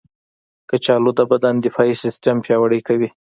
کچالو د بدن دفاعي سیستم پیاوړی کوي.